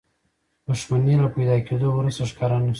دښمنۍ له پيدا کېدو وروسته ښکار نه شو.